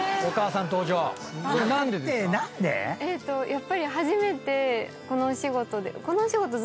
やっぱり初めてこのお仕事で。